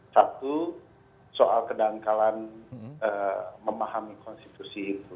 satu soal kedangkalan memahami konstitusi itu